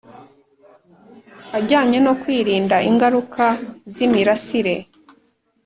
ajyanye no kwirinda ingaruka z imirasire